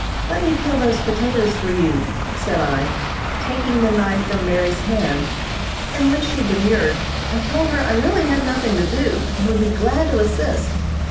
"Let me peel those potatoes for you," said I, taking the knife from Mary's hand; and when she demurred, I told her I really had nothing to do, and would be glad to assist.